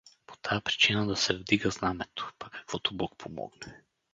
По тая причина да се вдига знамето, па каквото бог помогне.